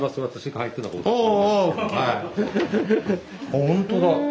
あほんとだ。